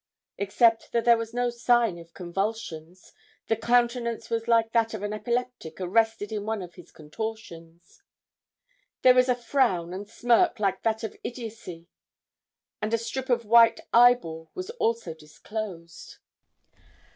Except that there was no sign of convulsions, the countenance was like that of an epileptic arrested in one of his contortions. There was a frown and smirk like that of idiotcy, and a strip of white eyeball was also disclosed.